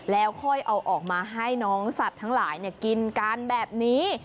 แล้วค่อยเอาออกมาให้น้องสัตว์ทั้งหลายกินกันแบบนี้